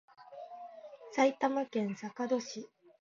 埼玉県坂戸市